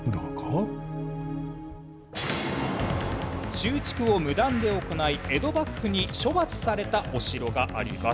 修築を無断で行い江戸幕府に処罰されたお城があります。